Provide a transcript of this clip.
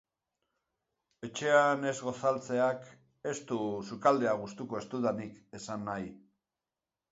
Etxean ez gosaltzeak ez du sukaldea gustuko ez dudanik esan nahi.